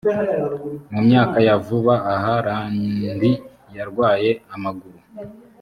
mu myaka ya vuba aha randi yarwaye amaguru